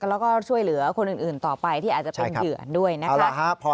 แล้วก็ช่วยเหลือคนอื่นต่อไปที่อาจจะเป็นเหยื่อด้วยนะคะ